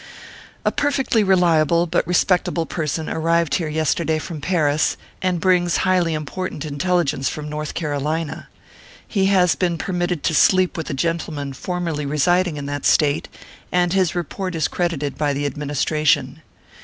A perfectly reliable but respectable person arrived here yesterday from Paris, and brings highly impor tant intelligence from North Carolina. He has been permitted to sleep with a gentleman formerly residing in that State, and his report is credited by the Ad ministration.